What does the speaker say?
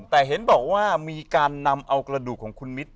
แต่เห็นบอกว่ามีการนำเอากระดูกของคุณมิตร